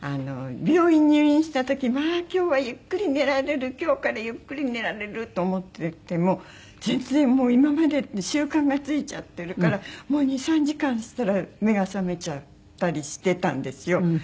病院に入院した時まあ今日はゆっくり寝られる今日からゆっくり寝られると思ってても全然今までの習慣がついちゃってるからもう２３時間したら目が覚めちゃったりしてたんですよ。